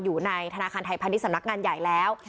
อยู่ในธนาคารไทยพาณิชสำนักงานใหญ่แล้ว